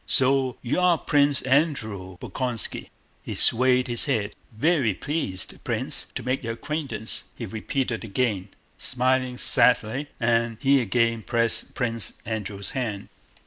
So you are Pwince Andwew Bolkónski?" He swayed his head. "Vewy pleased, Pwince, to make your acquaintance!" he repeated again, smiling sadly, and he again pressed Prince Andrew's hand.